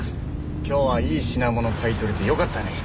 今日はいい品物買い取れてよかったね。